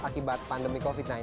akibat pandemi covid sembilan belas